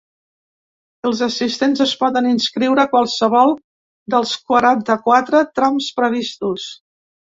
Els assistents es poden inscriure a qualsevol dels quaranta-quatre trams previstos.